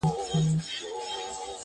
چپ سه دا خبر حالات راته وايي,